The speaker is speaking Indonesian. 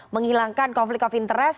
menghilangkan konflik of interest